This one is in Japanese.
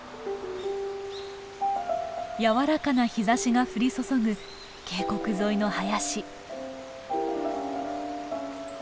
柔らかな日ざしが降り注ぐ渓谷沿いの林。